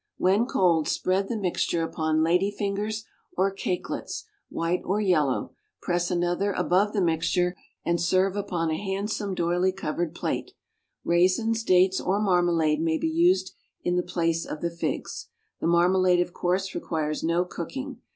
When cold spread the mixture upon lady fingers or cakelets, white or yellow, press another above the mixture, and serve upon a handsome doylie covered plate. Raisins, dates or marmalade may be used in the place of the figs. The marmalade, of course, requires no cooking.